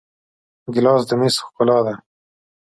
ګیلاس د میز ښکلا ده.